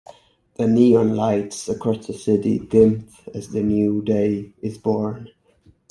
The neon lights across the city dimmed as a new day is born.